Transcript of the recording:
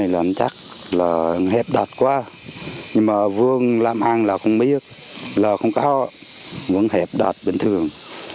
làng hẹp đạt quá nhưng mà vườn làm ăn là không biết làng không cao vườn hẹp đạt bình thường